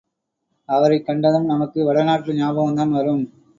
அவரைக் கண்டதும் நமக்கு வடநாட்டு ஞாபகம் தான் வரும்.